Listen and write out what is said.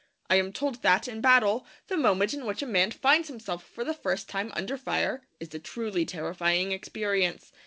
I am told that, in battle, the moment in which a man finds himself for the first time under fire is a truly terrifying experience.